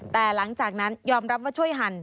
แต่หลังจากนั้นยอมรับว่าช่วยหัน